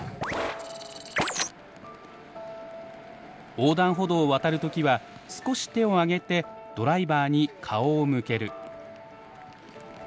横断歩道を渡る時は少し手を上げてドライバーに顔を向ける。